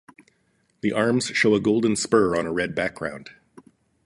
The arms show a golden spur on a red background.